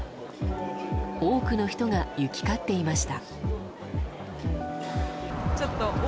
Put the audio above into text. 多くの人が行き交っていました。